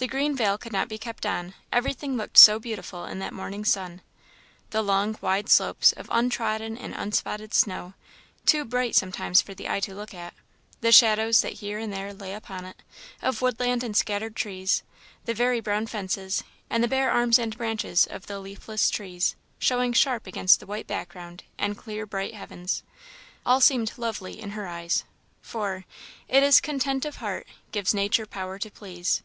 The green veil could not be kept on, everything looked so beautiful in that morning's sun. The long, wide slopes of untrodden and unspotted snow, too bright sometimes for the eye to look at; the shadows that here and there lay upon it, of woodland and scattered trees; the very brown fences, and the bare arms and branches of the leafless trees, showing sharp against the white ground and clear bright heaven; all seemed lovely in her eyes. For "It is content of heart Gives nature power to please."